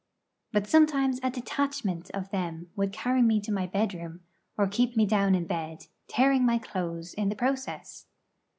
But sometimes a detachment of them would carry me to my bedroom or keep me down in bed, tearing my clothes in the process.